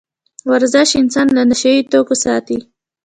ورزش انسان له نشه يي توکو ساتي.